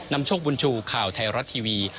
โชคบุญชูข่าวไทยรัฐทีวี